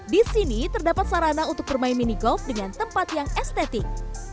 di sini terdapat sarana untuk bermain mini golf dengan tempat yang estetik